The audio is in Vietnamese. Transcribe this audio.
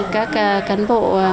các cán bộ